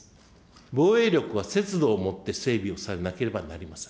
防衛力は節度を持って整備をされなければなりません。